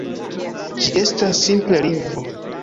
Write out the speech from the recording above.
Ĝi estas simple lingvo.